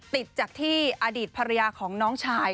ติดจากที่อดีตภรรยาของน้องชาย